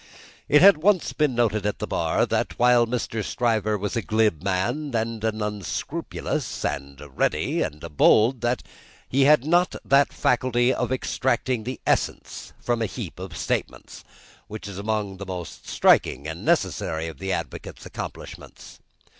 It had once been noted at the Bar, that while Mr. Stryver was a glib man, and an unscrupulous, and a ready, and a bold, he had not that faculty of extracting the essence from a heap of statements, which is among the most striking and necessary of the advocate's accomplishments.